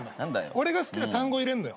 俺が好きな単語入れんのよ。